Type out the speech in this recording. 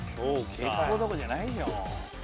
結構どころじゃないよ。